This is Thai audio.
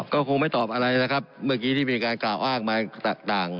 ก็คงไม่ตอบอะไรนะครับเมื่อกี้ที่มีการกล่าวอ้างมาต่าง